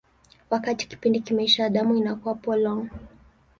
Wakati kipindi kimeisha, damu inakuwa polong.